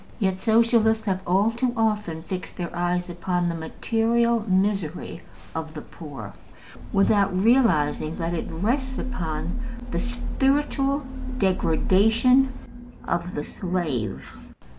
Yet Socialists have all too often fixed their eyes upon the material misery of the poor without realizing that it rests upon the spiritual degradation of the slave.